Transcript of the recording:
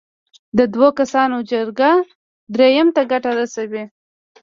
د دوو کسانو جګړه دریم ته ګټه رسوي.